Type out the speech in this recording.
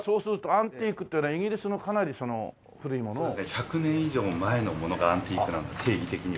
１００年以上前のものがアンティークなんで定義的には。